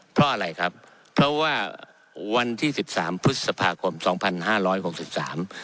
เพราะอะไรครับเพราะว่าวันที่๑๓พฤษภาคม๒๕๖๓